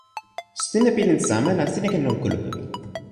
sina pilin sama la sina ken lon kulupu mi.